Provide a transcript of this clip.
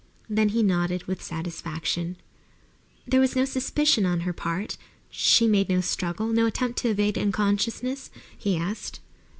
Then he nodded with satisfaction. "There was no suspicion on her part? She made no struggle no attempt to evade unconsciousness?" he asked.